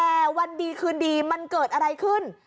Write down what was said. แต่วันดีคืนดีมันเกิดอะไรขึ้น